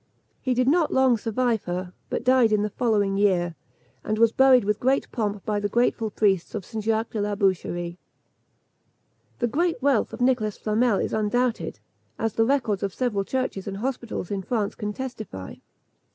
He did not long survive her, but died in the following year, and was buried with great pomp by the grateful priests of St. Jacques de la Boucherie. The great wealth of Nicholas Flamel is undoubted, as the records of several churches and hospitals in France can testify.